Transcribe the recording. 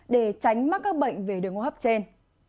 điều ngô hấp trên